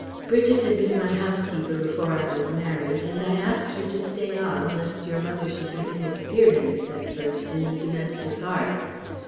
Bridget had been my housekeeper before I was married and I asked her to stay on lest your mother should be inexperienced at first in the domestic arts.